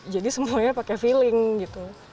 semuanya pakai feeling gitu